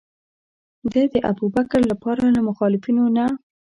ده د ابوبکر لپاره له مخالفینو نه.